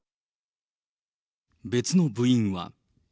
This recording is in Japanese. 別の部員は。